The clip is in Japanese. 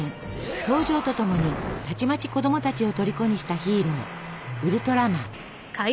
登場とともにたちまち子供たちをとりこにしたヒーローウルトラマン。